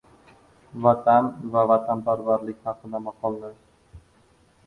Vatan va vatanparvarlik haqida maqollar.